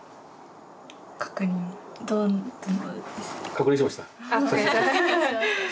確認しました。